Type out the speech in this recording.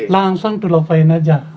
langsung dilaporkan aja